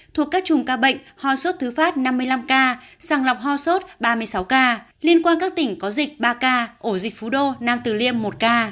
thuộc các chùm ca bệnh ho sốt thứ phát năm mươi năm ca sàng lọc ho sốt ba mươi sáu ca liên quan các tỉnh có dịch ba ca ổ dịch phú đô nam tử liêm một ca